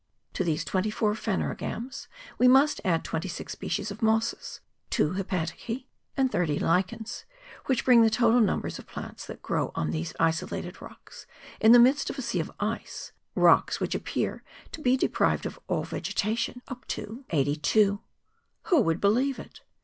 To these four and twenty phanerogams, we must add twenty six species of mosses, two hepaticse, and thirty lichens, which brings the total number of plants that grow on these isolated rocks, in the midst of a sea of ice, rocks which appear to be deprived of all vegetation, up to MONT BLANC. 19 eighty two. WTio would believe it